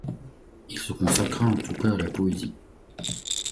Il se consacra en tout cas à la poésie.